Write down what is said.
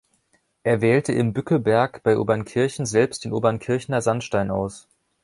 Er wählte im Bückeberg bei Obernkirchen selbst den Obernkirchener Sandstein aus.